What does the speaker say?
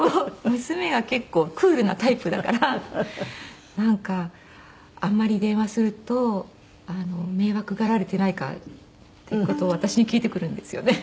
娘が結構クールなタイプだからなんかあんまり電話すると迷惑がられていないかっていう事を私に聞いてくるんですよね。